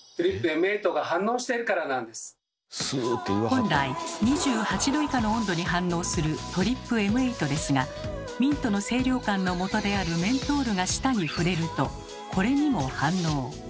本来２８℃以下の温度に反応するＴＲＰＭ８ですがミントの清涼感のもとであるメントールが舌に触れるとこれにも反応。